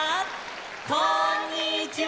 こんにちは！